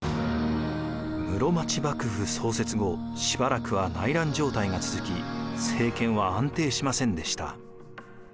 室町幕府創設後しばらくは内乱状態が続き政権は安定しませんでした。